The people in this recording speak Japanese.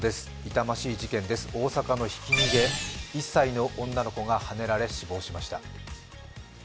痛ましい事件です、大阪のひき逃げ１歳の女の子がはねられ死亡しました。